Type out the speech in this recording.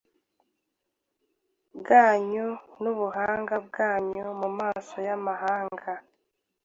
bwanyu n’ubuhanga bwanyu mu maso y’amahanga